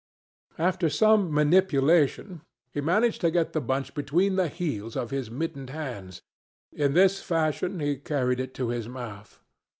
After some manipulation he managed to get the bunch between the heels of his mittened hands. In this fashion he carried it to his mouth.